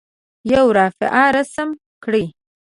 یوه رافعه رسم کړئ.